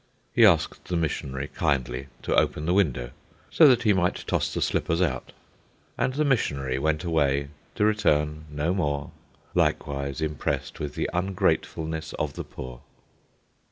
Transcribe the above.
He asked the missionary kindly to open the window, so that he might toss the slippers out. And the missionary went away, to return no more, likewise impressed with the ungratefulness of the poor.